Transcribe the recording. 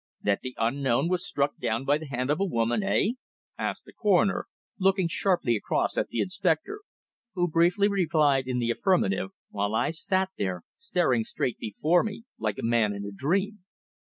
"That the unknown was struck down by the hand of a woman eh?" asked the Coroner, looking sharply across at the Inspector, who briefly replied in the affirmative, while I sat staring straight before me, like a man in a dream.